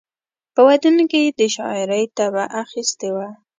په ودونو کې یې د شاعرۍ طبع اخیستې وه.